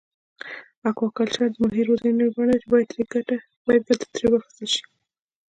اکواکلچر د ماهي روزنې نوی بڼه ده چې باید ګټه ترې واخیستل شي.